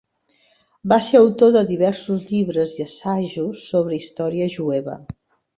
Va ser autor de diversos llibres i assajos sobre història jueva.